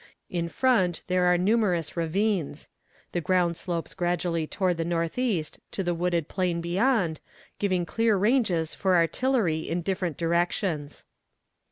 In front there are numerous ravines. The ground slopes gradually toward the northeast to the wooded plain beyond, giving clear ranges for artillery in different directions.